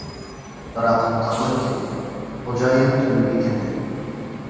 بىراق تاقىلىپ كەتتى، خوجايىن تۈرمىگە كىردى.